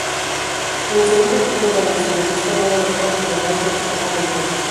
En el segundo equipo valencianista no logró continuidad, ya que jugó muy poco.